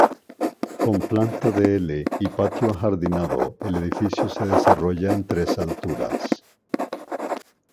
Con planta de L y patio ajardinado, el edificio se desarrolla en tres alturas.